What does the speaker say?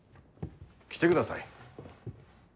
来てください。